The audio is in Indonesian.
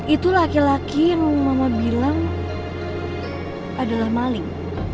itu laki laki yang mama bilang adalah maling